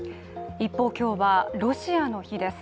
一方、今日はロシアの日です。